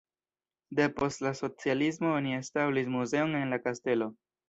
Depost la socialismo oni establis muzeon en la kastelo.